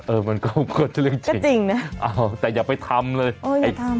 เออมันก็ก็จริงจริงเอ้าแต่อย่าไปทำเลยโอ้ยอย่าทำ